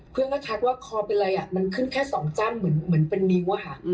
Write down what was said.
เพื่อนก็ทักว่าคอเป็นอะไรมันขึ้นแค่๒จ้ำเหมือนเป็นนิ้วอะค่ะ